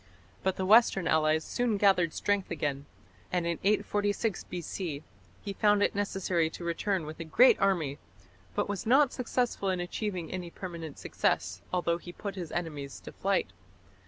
But the western allies soon gathered strength again, and in 846 B.C. he found it necessary to return with a great army, but was not successful in achieving any permanent success, although he put his enemies to flight.